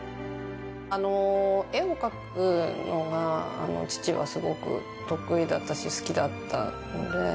あの絵を描くのが父はすごく得意だったし好きだったので。